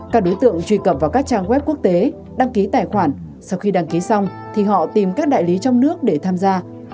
các đối tượng truy cập vào các trang web quốc tế đăng ký tài khoản sau khi đăng ký xong thì họ tìm các đại lý trong nước để tham gia